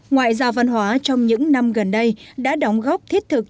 ngoại giao văn hóa trong những năm gần đây đã đóng góp thiết thực